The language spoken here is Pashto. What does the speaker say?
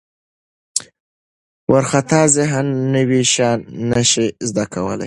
وارخطا ذهن نوي شیان نه شي زده کولی.